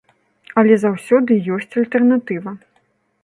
Але заўсёды ёсць альтэрнатыва.